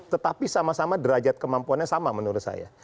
tetapi sama sama derajat kemampuannya sama menurut saya